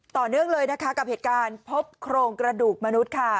ต่อเนื่องเลยนะคะกับเหตุการณ์พบโครงกระดูกมนุษย์ค่ะ